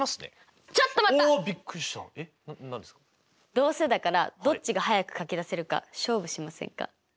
どうせだからどっちがはやく書き出せるか勝負しませんか？